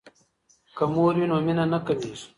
که مور وي نو مینه نه کمیږي.